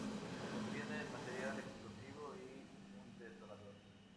Contienen material explosivo y un detonador.